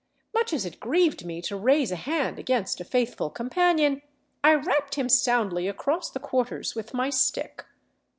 Much as it grieved me to raise a hand against a faith ful companion, I rapped him soundly across 'the quarters with my stick.